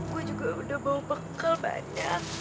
gue juga udah bau bekal banyak